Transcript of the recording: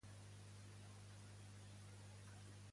Llarena envia Turull, Forcadell, Romeva, Rull i Bassa a la presó.